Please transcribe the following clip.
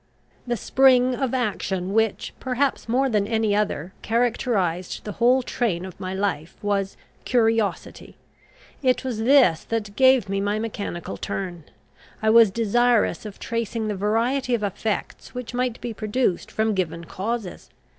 The spring of action which, perhaps more than any other, characterised the whole train of my life, was curiosity. It was this that gave me my mechanical turn; I was desirous of tracing the variety of effects which might be produced from given causes.